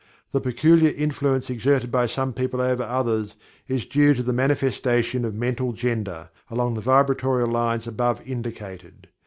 The peculiar influence exerted by some people over others is due to the manifestation of Mental Gender, along the Vibrational lines above indicated.